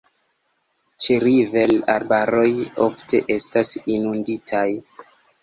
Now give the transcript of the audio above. Ĉeriver-arbaroj ofte estas inunditaj.